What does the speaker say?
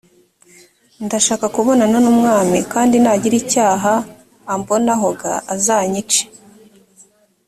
ndashaka kubonana n umwami kandi nagira icyaha ambonaho g azanyice